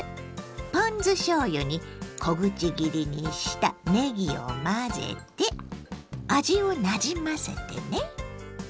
ポン酢しょうゆに小口切りにしたねぎを混ぜて味をなじませてね。